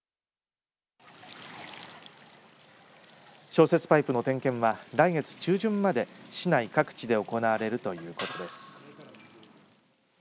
消雪パイプの点検は来月中旬まで市内各地で行われるということです。